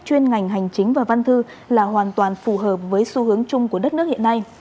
chuyên ngành hành chính và văn thư là hoàn toàn phù hợp với xu hướng chung của đất nước hiện nay